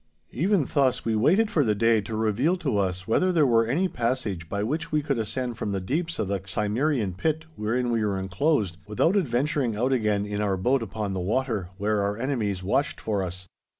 Even thus we waited for the day to reveal to us whether there were any passage by which we could ascend from the deeps of the Cimmerian pit wherein we were enclosed, without adventuring out again in our boat upon the water, where our enemies watched for us.